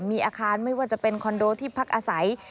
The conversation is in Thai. มีอาคารไม่ว่าจะเป็นคอนโดที่พักอาศัย